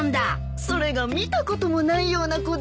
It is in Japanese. それが見たこともないような子で。